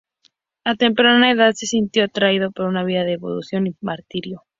A temprana edad se sintió atraído por una vida de devoción y martirio.